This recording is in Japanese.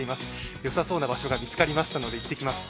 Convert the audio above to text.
よさそうな場所が見つかりましたので、行ってきます。